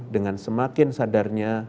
dengan semakin sadarnya